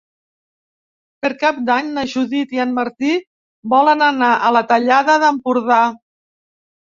Per Cap d'Any na Judit i en Martí volen anar a la Tallada d'Empordà.